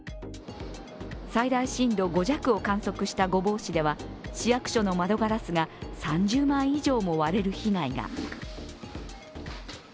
最大震度５弱を観測した御坊市では市役所の窓ガラスが３０枚以上も割れる被害が。